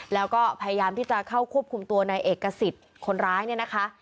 แล้วก็พยายามที่จะเข้าควบคุมตัวในเอกสิทธิ์คนร้ายเนี่ยนะคะ